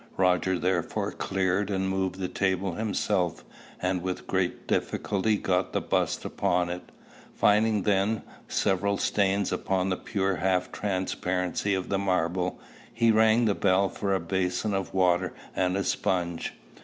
Roger therefore cleared and moved the table himself, and with difficulty got the bust upon it. Finding then several stains upon the pure half transparency of the marble, he rang the bell for a basin of water and a sponge.